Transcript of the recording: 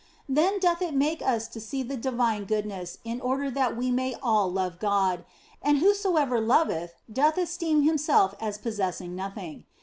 Then doth it make us to see the divine goodness in order that we may all love God, and whosoever loveth doth esteem himself as possessing nothing.